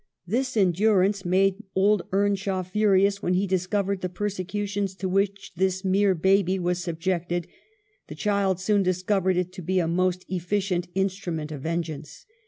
This endurance made old Earnshaw furious when he discovered the persecutions to which this mere baby was sub jected; the child soon discovered it to be a most efficient instrument of vengeance.